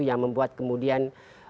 yang membuat kemudian